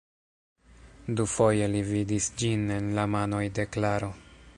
Dufoje li vidis ĝin en la manoj de Klaro.